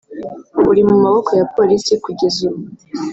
uri mu maboko ya polisi kugeza ubu